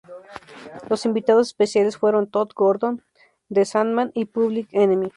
Los invitados especiales fueron Tod Gordon, The Sandman y Public Enemy.